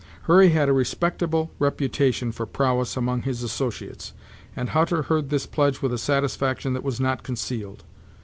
Hurry had a respectable reputation for prowess among his associates, and Hutter heard this pledge with a satisfaction that was not concealed.